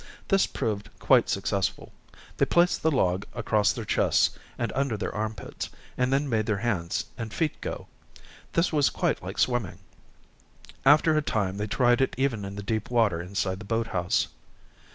This proved quite successful. They placed the log across their chests, and under their armpits, and then made their hands and feet go. This was quite like swimming. After a time they tried it even in the deep water inside the boat house.